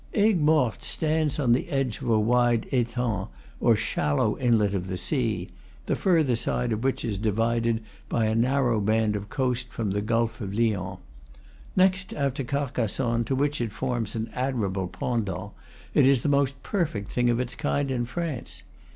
Aigues Mortes stands on the edge of a wide etang, or shallow inlet of the sea, the further side of which is divided by a narrow band of coast from the Gulf of Lyons. Next after Carcassonne, to which it forms an admirable pendant, it is the most perfect thing of the kind in France.